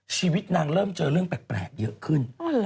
ชีวิตนางเริ่มเจอเรื่องแปลกเยอะขึ้น